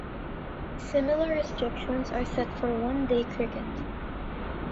Similar restrictions are set for one-day cricket.